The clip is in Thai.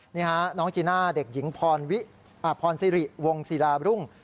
นี่ฮะน้องจีน่าเด็กหญิงพรสิริวงศิลาบรุ่ง